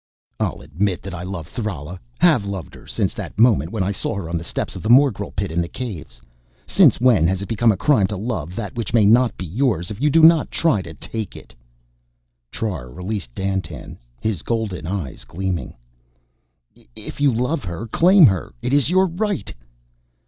"I'll admit that I love Thrala have loved her since that moment when I saw her on the steps of the morgel pit in the caves. Since when has it become a crime to love that which may not be yours if you do not try to take it?" Trar released Dandtan, his golden eyes gleaming. "If you love her, claim her. It is your right."